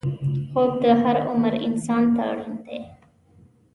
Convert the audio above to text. خوب د هر عمر انسان ته اړین دی